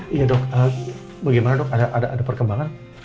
iya dok bagaimana dok ada perkembangan